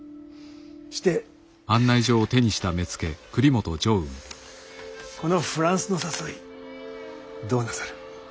してこのフランスの誘いどうなさる？